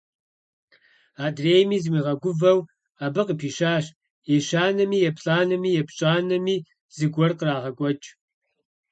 Адрейми зимыгъэгувэу абы къыпищащ, ещанэми, еплӀанэми… епщӀанэми зыгуэр кърагъэкӀуэкӀ.